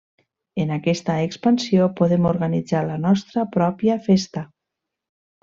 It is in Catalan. En aquesta expansió podem organitzar la nostra pròpia festa.